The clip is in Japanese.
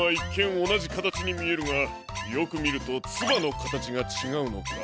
おなじかたちにみえるがよくみるとつばのかたちがちがうのか。